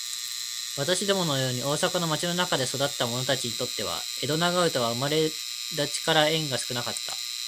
私どもの様に大阪の町の中に育つた者にとつては、江戸長唄は生れだちから縁が少かつた。